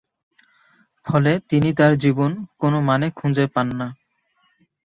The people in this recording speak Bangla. ফলে তিনি তার জীবন কোন মানে খুঁজে পান না।